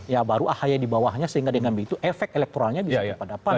ya baru ahaya di bawahnya sehingga dengan begitu efek elektoralnya bisa kepada pan